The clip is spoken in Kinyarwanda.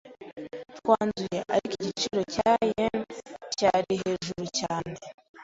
Twanzuye, ariko ko igiciro cya .. yen cyari hejuru cyane.